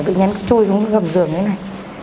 bệnh nhân cứ trôi xuống gầm giường như thế này